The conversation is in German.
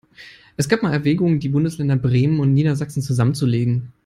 Es gab mal Erwägungen, die Bundesländer Bremen und Niedersachsen zusammenzulegen.